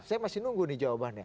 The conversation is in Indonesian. saya masih nunggu nih jawabannya